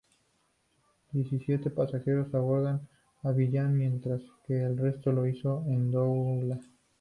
Diecisiete pasajeros abordaron Abiyán, mientras que el resto lo hizo en Douala.